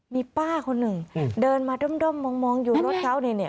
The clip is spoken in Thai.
มีป้าคนหนึ่งเดินมาด้อมมองอยู่รถเขาเนี่ย